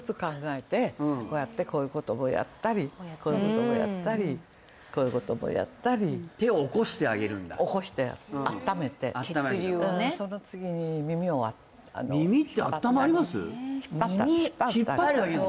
こうやってこういうことをやったりこういうことをやったりこういうこともやったり起こしてあっためて耳ってあったまります？